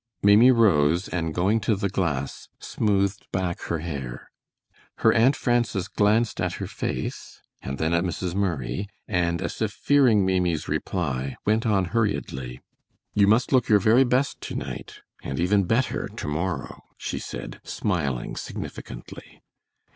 Maimie rose, and going to the glass, smoothed back her hair. Her Aunt Frances glanced at her face and then at Mrs. Murray, and as if fearing Maimie's reply, went on hurriedly, "You must look your very best to night, and even better to morrow," she said, smiling, significantly.